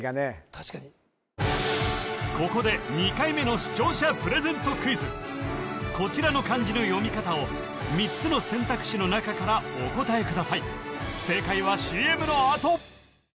確かにここで２回目の視聴者プレゼントクイズこちらの漢字の読み方を３つの選択肢の中からお答えください